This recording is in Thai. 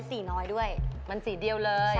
ใช่